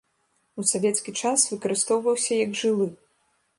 У савецкі час выкарыстоўваўся як жылы.